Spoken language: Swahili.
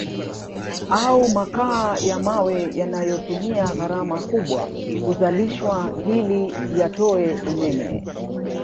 Au makaa ya mawe yanayotumia gharama kubwa kuzalishwa hili yatoe umeme